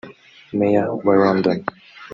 Mayor wa London